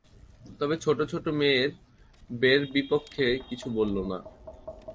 তবে ছোট ছোট মেয়ের বে-র বিপক্ষে এখন কিছু বলো না।